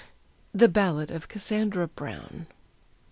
_ THE BALLAD OF CASSANDRA BROWN.